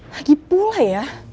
lagi pula ya